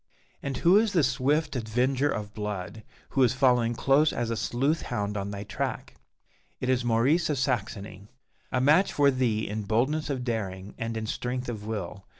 And who is the swift "avenger of blood" who is following close as a sleuth hound on thy track? It is Maurice of Saxony a match for thee in boldness of daring, and in strength of will.